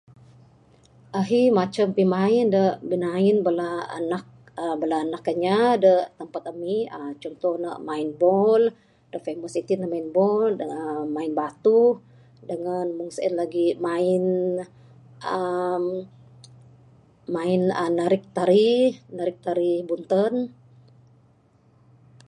Ahi macam pinain da binain bala anak uhh bala anak inya de tempat ami cuntoh ne main bol. Da famous itin ne main bol, main batuh dangan meng sien lagih uhh main uhh narik tarih, narik tarih bunten